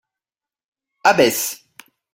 Abbesse